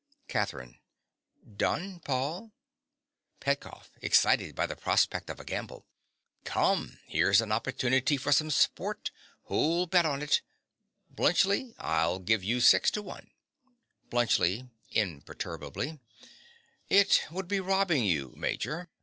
CATHERINE. Done, Paul. PETKOFF. (excited by the prospect of a gamble). Come: here's an opportunity for some sport. Who'll bet on it? Bluntschli: I'll give you six to one. BLUNTSCHLI. (imperturbably). It would be robbing you, Major.